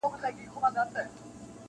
یو او دوه په سمه نه سي گرځېدلای-